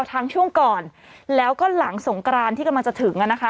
ช่วงก่อนแล้วก็หลังสงกรานที่กำลังจะถึงอ่ะนะคะ